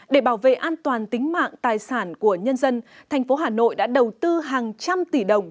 để bảo vệ an toàn tính mạng tài sản của nhân dân thành phố hà nội đã đầu tư hàng trăm tỷ đồng